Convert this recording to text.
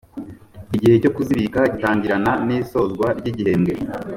igihe cyo kuzibika gitangirana n isozwa ry igihembwe